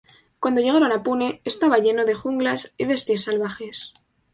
Cuando llegaron a Pune estaba lleno de junglas y bestias salvajes.